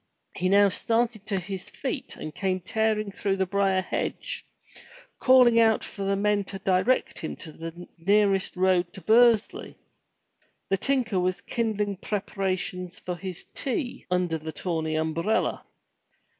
He now started to his feet and came tearing through the briar hedge, calling out for the men to direct him the nearest road to Bursley. The tinker was kindling preparations for his tea under the tawny umbrella.